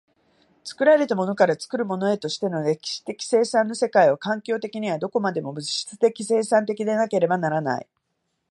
作られたものから作るものへとしての歴史的生産の世界は、環境的にはどこまでも物質的生産的でなければならない。